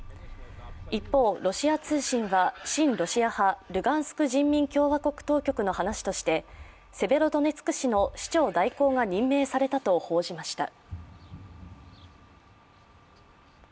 一方、ロシア通信は親ロシア派ルガンスク人民共和国当局の話としてセベロドネツク市の市長代行が任命されたと報じました。